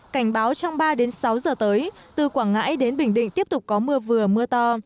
cảnh báo trong ba đến sáu giờ tới từ quảng ngãi đến bình định tiếp tục có mưa vừa mưa to